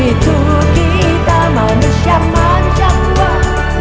itu kita manusia kuat